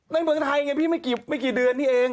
เมืองไทยไงพี่ไม่กี่เดือนนี่เอง